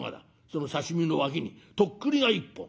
その刺身の脇にとっくりが１本。